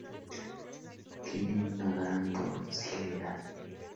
Tienen una gran docilidad.